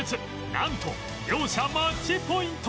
なんと両者マッチポイント